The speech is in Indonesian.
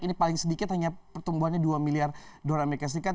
ini paling sedikit hanya pertumbuhannya dua miliar dolar amerika serikat